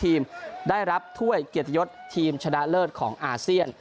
ได้รับถ้วยเกียรติยศทีมชนะเลิศของอาเซียน